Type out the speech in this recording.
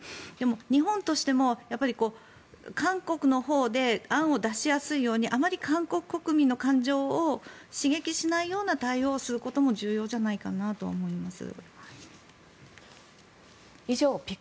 日本としても韓国のほうで案を出しやすいようにあまり韓国国民の感情を刺激しないような対応をすることも重要じゃないかなと思います。